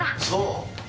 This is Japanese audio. そう。